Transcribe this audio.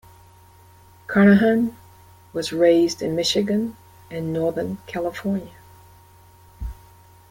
Carnahan was raised in Michigan and Northern California.